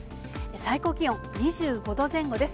最高気温２５度前後です。